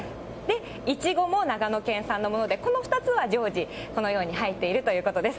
イチゴも長野県産のもので、この２つは常時、このように入っているということです。